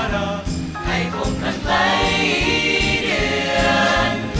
อร่อยงามข้างใกล้